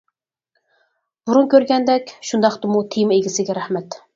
بۇرۇن كۆرگەندەك. شۇنداقتىمۇ تېما ئىگىسىگە رەھمەت!